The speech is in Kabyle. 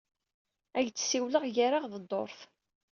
Ad ak-d-siwleɣ gar-aɣ d ddurt.